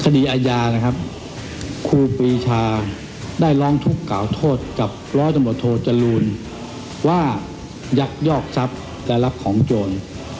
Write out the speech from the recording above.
คดีอาญานะครับครูปีชาได้ร้องทุกข์กล่าวโทษกับร้อยตำรวจโทจรูลว่ายักยอกทรัพย์และรับของโจร